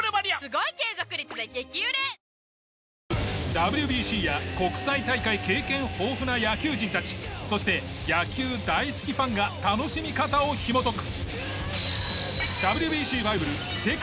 ＷＢＣや国際大会経験豊富な野球人たちそして野球大好きファンが楽しみ方をひもとく。